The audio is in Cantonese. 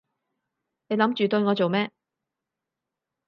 你諗住對我做咩？